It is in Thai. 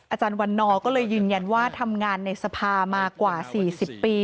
อาจารย์วันนอร์ก็เลยยืนยันว่าทำงานในสภามากว่า๔๐ปี